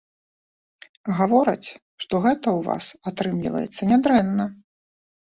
Гавораць, што гэта ў вас атрымліваецца нядрэнна.